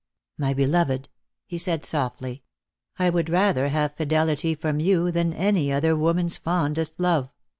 " My beloved," he said softly, " I would rather have fidelity from you than any other woman's fondest love.